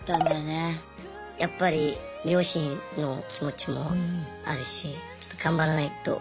やっぱり両親の気持ちもあるしちょっと頑張らないと。